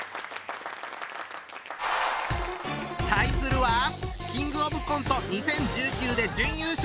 対するはキンブオブコント２０１９で準優勝。